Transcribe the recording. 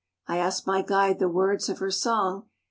I asked my guide the words of her song.